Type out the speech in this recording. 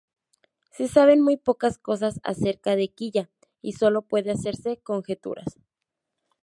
Se saben muy pocas cosas acerca de Kiya, y sólo pueden hacerse conjeturas.